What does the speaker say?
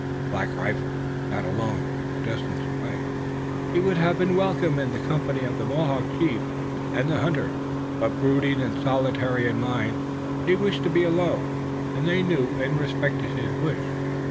Black Rifle sat alone a little distance away. He would have been welcome in the company of the Mohawk chief and the hunter, but, brooding and solitary in mind, he wished to be alone and they knew and respected his wish.